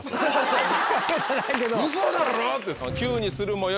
「ウソだろ⁉」って。